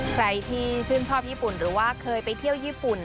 ใครที่ชื่นชอบญี่ปุ่นหรือว่าเคยไปเที่ยวญี่ปุ่น